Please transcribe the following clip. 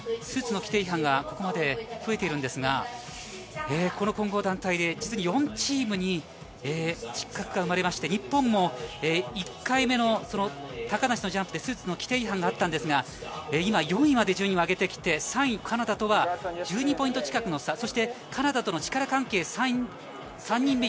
スーツの規定違反がここまで増えているんですが、混合団体で実に４チームに失格が生まれて日本も１回目の高梨のジャンプでスーツの規定違反があったんですが、今４位まで順位を上げて、３位カナダとは１２ポイント近くの差。